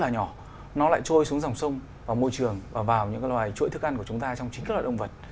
nó lại trôi xuống dòng sông vào môi trường và vào những loài chuỗi thức ăn của chúng ta trong chính các loài động vật